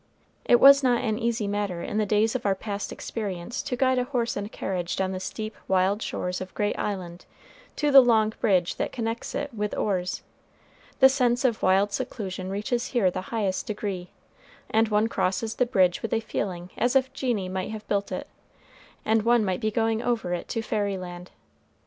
It was not an easy matter in the days of our past experience to guide a horse and carriage down the steep, wild shores of Great Island to the long bridge that connects it with Orr's. The sense of wild seclusion reaches here the highest degree; and one crosses the bridge with a feeling as if genii might have built it, and one might be going over it to fairy land.